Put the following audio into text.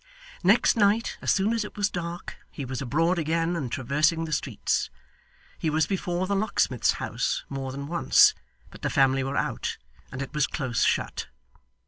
Next night, as soon as it was dark, he was abroad again and traversing the streets; he was before the locksmith's house more than once, but the family were out, and it was close shut.